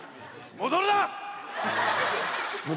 戻るな！